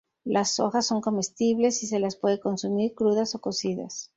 Las hojas son comestibles y se las puede consumir crudas o cocidas.